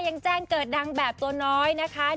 ยังแจ้งเกิดดังแบบตัวน้อยนะคะ